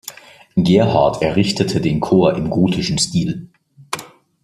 Gerhard errichtete den Chor im gotischen Stil.